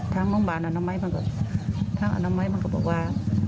ทางหมองบานอนามัยทางอนามัยมันก็บอกว่า